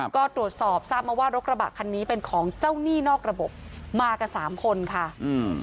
ก็ตรวจสอบทราบมาว่ารถกระบะคันนี้เป็นของเจ้าหนี้นอกระบบมากับสามคนค่ะอืม